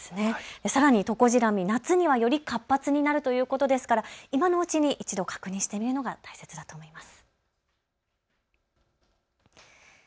さらにトコジラミ、夏にはより活発になるということですから今のうちに一度、確認してみるのが大切だと思います。